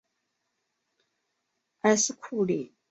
埃斯库利。